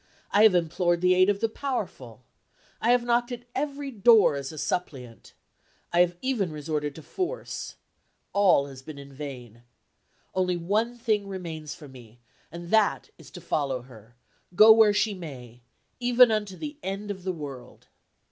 I have implored the aid of the powerful. I have knocked at every door as a suppliant. I have even resorted to force. All has been in vain. Only one thing remains for me, and that is to follow her go where she may even unto the end of the world."